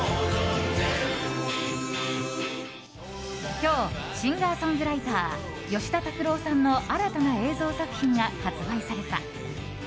今日、シンガーソングライター吉田拓郎さんの新たな映像作品が発売された。